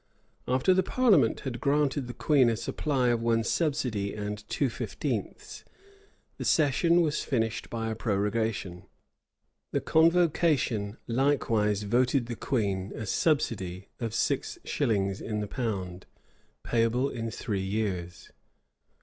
After the parliament had granted the queen a supply of one subsidy and two fifteenths, the session was finished by a prorogation. The convocation likewise voted the queen a subsidy of six shillings in the pound, payable in three years.